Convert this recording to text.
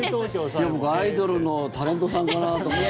僕、アイドルのタレントさんかなと思って。